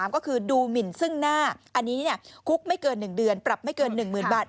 ก็คือดูหมินซึ่งหน้าอันนี้คุกไม่เกิน๑เดือนปรับไม่เกิน๑๐๐๐บาท